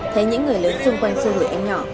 thấy những người lớn xung quanh xua gửi anh nhỏ